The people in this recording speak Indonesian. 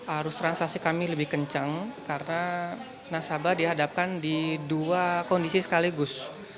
arus transaksi kami lebih kencang karena nasabah dihadapkan di dua kondisi sekaligus